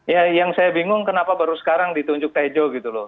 ya yang saya bingung kenapa baru sekarang ditunjuk tejo gitu loh